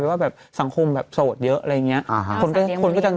พี่หนุ่มอยู่มันโหดเยี่ยมจริง